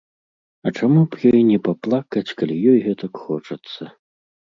А чаму б ёй не паплакаць, калі ёй гэтак хочацца.